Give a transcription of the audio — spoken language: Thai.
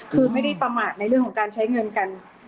คือไม่ได้ประมาทในเรื่องของการใช้เงินกัน